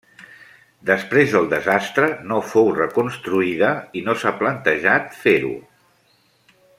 Després del desastre, no fou reconstruïda i no s'ha plantejat fer-ho.